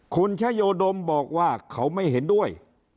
คุณชโยดมบอกว่าเขาไม่เห็นด้วย